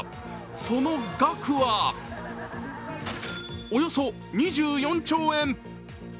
その額はおよそ２４兆円。